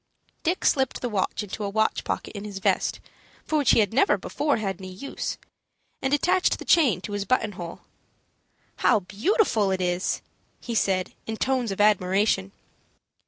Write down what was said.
Dick slipped the watch into a watch pocket in his vest, for which he had never before had any use, and attached the chain to his button hole. "How beautiful it is!" he said, in tones of admiration.